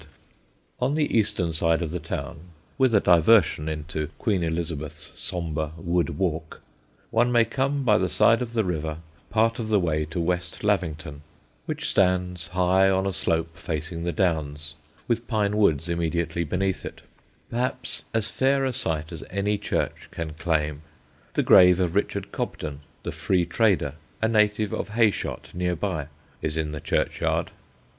[Sidenote: MR. LA THANGUE'S HOME] On the eastern side of the town (with a diversion into Queen Elizabeth's sombre wood walk) one may come by the side of the river part of the way to West Lavington, which stands high on a slope facing the Downs, with pine woods immediately beneath it, perhaps as fair a site as any church can claim. The grave of Richard Cobden, the Free Trader, a native of Heyshott, near by, is in the churchyard.